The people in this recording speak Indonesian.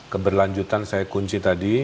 keberlanjutan saya kunci tadi